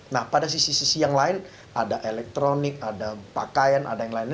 nah pada sisi sisi yang lain ada elektronik ada pakaian ada yang lainnya